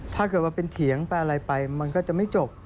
ถ้าเกิดว่าเป็นเถียงไปอะไรไปมันก็จะไม่จบ